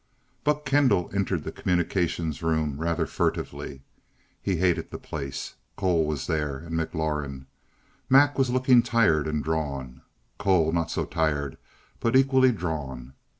XI Buck Kendall entered the Communications room rather furtively. He hated the place. Cole was there, and McLaurin. Mac was looking tired and drawn, Cole not so tired, but equally drawn.